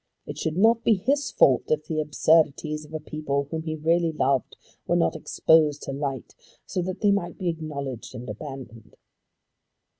It should not be his fault if the absurdities of a people whom he really loved were not exposed to light, so that they might be acknowledged and abandoned.